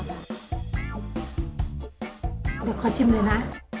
เดี๋ยวขอชิมเลยนะ